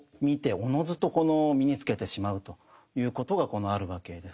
おのずと身につけてしまうということがあるわけです。